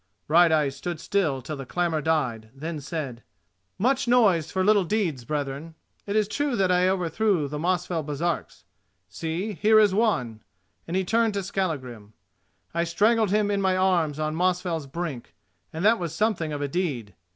Brighteyes stood still till the clamour died, then said: "Much noise for little deeds, brethren. It is true that I overthrew the Mosfell Baresarks. See, here is one," and he turned to Skallagrim; "I strangled him in my arms on Mosfell's brink, and that was something of a deed.